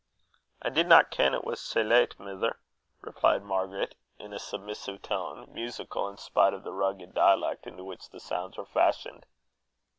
"I didna ken it was sae late, mither," replied Margaret, in a submissive tone, musical in spite of the rugged dialect into which the sounds were fashioned.